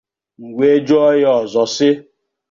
M wee jụọ ya ọzọ sị